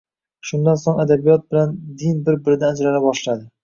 Shundan so‘ng adabiyot bilan din bir-biridan ajrala boshladi.